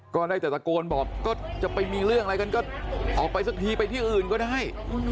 ก็ได้แต่ตะโกนบอกก็จะไปมีเรื่องอะไรกันก็ออกไปสักทีไปที่อื่นก็ได้